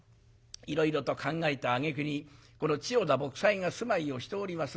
いろいろと考えたあげくにこの千代田卜斎が住まいをしております